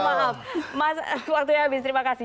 mohon maaf waktunya habis terima kasih